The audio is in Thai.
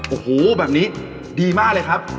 โอ้โหแบบนี้ดีมากเลยครับ